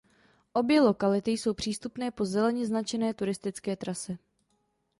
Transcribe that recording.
Obě lokality jsou přístupné po zeleně značené turistické trase.